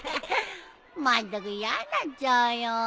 まったく嫌んなっちゃうよ。